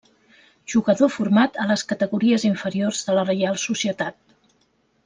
Jugador format a les categories inferiors de la Reial Societat.